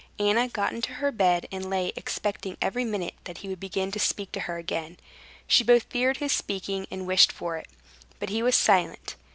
Anna got into her bed, and lay expecting every minute that he would begin to speak to her again. She both feared his speaking and wished for it. But he was silent.